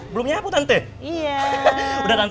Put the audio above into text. belum nyapu tante